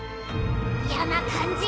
やな感じ！